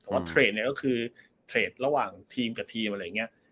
แต่ว่าเทรดเนี่ยก็คือเทรดระหว่างทีมกับทีมอะไรอย่างนี้